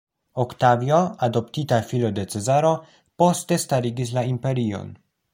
Oktavio, adoptita filo de Cezaro, poste starigis la imperion.